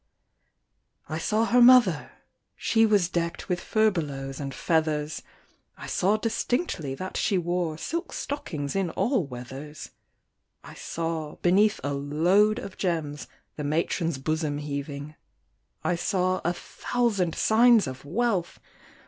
I saw her mother she was deck'd With furbelows and feathers; I saw distinctly that she wore Silk stockings in all weathers; I saw, beneath a load of gems. The matron's bosom heaving; I saw a thousand signs of wealth!